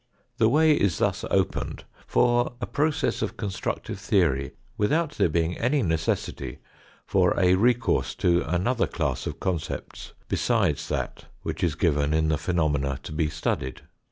The way is thus opened for a process of constructive theory, without there being any necessity for a recourse to another class of concepts besides that which is given in the phenomena to be studied.